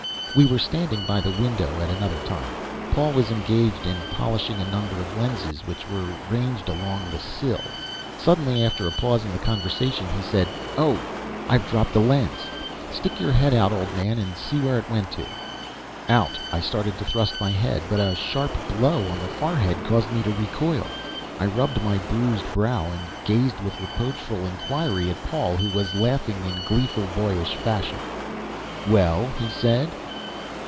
We were standing by the window at another time. Paul was engaged in polishing a number of lenses, which were ranged along the sill. Suddenly, after a pause in the conversation, he said, "Oh! I've dropped a lens. Stick your head out, old man, and see where it went to." Out I started to thrust my head, but a sharp blow on the forehead caused me to recoil. I rubbed my bruised brow and gazed with reproachful inquiry at Paul, who was laughing in gleeful, boyish fashion. "Well?" he said.